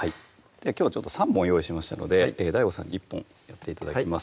きょう３本用意しましたのでＤＡＩＧＯさんに１本やって頂きます